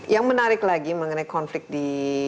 yang menarik lagi mengenai konflik di